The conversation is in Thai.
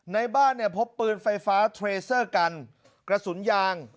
ในบ้านเนี่ยพบปืนไฟฟ้าเทรเซอร์กันกระสุนยาง